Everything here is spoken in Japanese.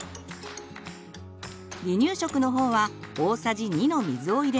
離乳食のほうは大さじ２の水を入れます。